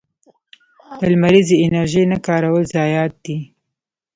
د لمریزې انرژۍ نه کارول ضایعات دي.